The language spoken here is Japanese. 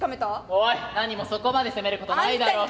おい何もそこまで責めることないだろ。